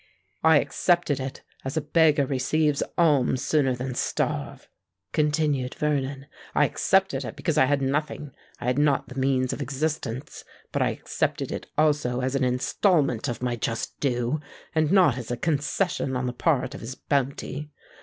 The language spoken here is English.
"I accepted it as a beggar receives alms sooner than starve," continued Vernon: "I accepted it because I had nothing: I had not the means of existence. But I accepted it also as an instalment of my just due—and not as a concession on the part of his bounty.